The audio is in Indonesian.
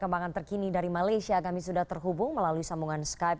perkembangan terkini dari malaysia kami sudah terhubung melalui sambungan skype